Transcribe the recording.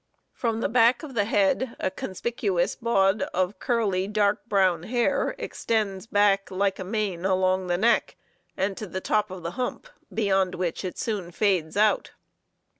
From the back of the head a conspicuous baud of curly, dark brown hair extends back like a mane along the neck and to the top of the hump, beyond which it soon fades out.